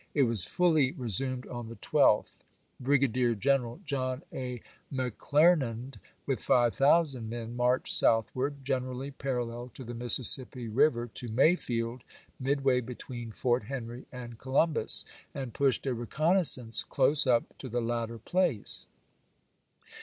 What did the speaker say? It was fully resumed on the 12th. Brigadier General John A. McClernand, with five thousand men, marched southward, gen erally parallel to the Mississippi River, to Mayfield, midway between Fort Henry and Columbus, and pushed a reconnaissance close up to the latter place.